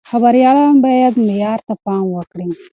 خبريالان بايد معيار ته پام وکړي.